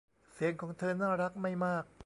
เสียงของเธอน่ารักไม่มาก